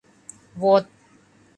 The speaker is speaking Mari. — Вот.